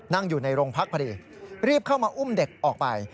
นั่งอยู่ในโรงพักพอดีรีบเข้ามาอุ้มเด็กออกไป